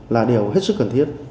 là điều hết sức cần thiết